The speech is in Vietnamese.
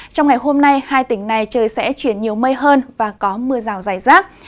trong ngày hôm nay hai tỉnh này trời sẽ chuyển nhiều mây hơn và có mưa rào dài rác